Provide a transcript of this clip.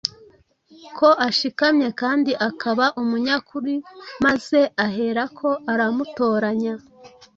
ko ashikamye kandi akaba umunyakuri maze aherako aramutoranya